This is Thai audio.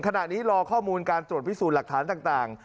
รอข้อมูลการตรวจพิสูจน์หลักฐานต่าง